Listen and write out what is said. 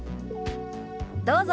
どうぞ。